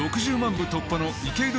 部突破の池井戸